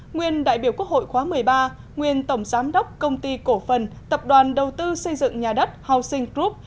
nguyên đại biểu quốc hội khóa một mươi ba nguyên tổng giám đốc công ty cổ phần tập đoàn đầu tư xây dựng nhà đất housing group